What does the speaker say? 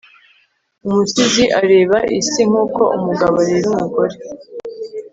Umusizi areba isi nkuko umugabo areba umugore